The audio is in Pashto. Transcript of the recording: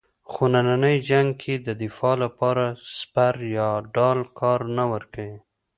خو نننی جنګ کې د دفاع لپاره سپر یا ډال کار نه ورکوي.